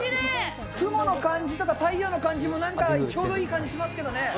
雲の感じとか太陽の感じも、なんかちょうどいい感じしますけどね。